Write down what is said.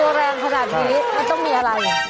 ออกตัวแรงขนาดนี้มันต้องมีอะไร